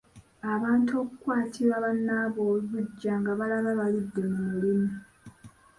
Abantu okukwatirwa bannaabwe obuggya nga balaba baludde mu mirimu.